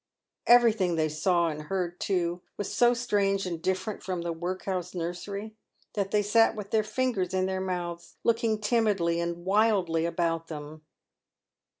Everything they saw and heard, too, was so strange and different from the workhouse nursery, that they sat with their fingers in their mouths, looking timidly and wildly about them.